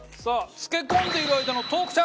漬け込んでいる間のトークチャンス！